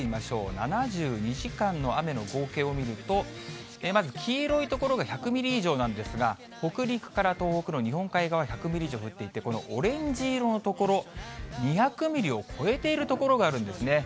７２時間の雨の合計を見ると、まず黄色い所が１００ミリ以上なんですが、北陸から東北の日本海側１００ミリ以上降っていて、このオレンジ色の所、２００ミリを超えている所があるんですね。